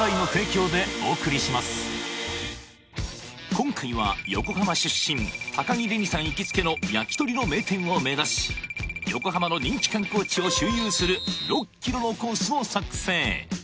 今回は横浜出身高城れにさん行きつけの焼き鳥の名店を目指し横浜の人気観光地を周遊する６キロのコースを作成